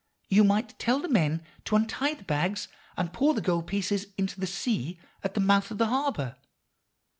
'You might tell the men to untie the bags, and pour the gold pieces into the sea at the mouth of the harbor.